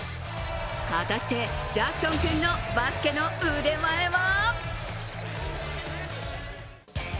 果たしてジャクソン君のバスケの腕前は？